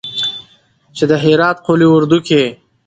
چې د هرات قول اردو کې